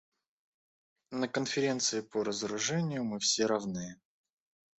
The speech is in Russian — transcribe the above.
На Конференции по разоружению мы все равны.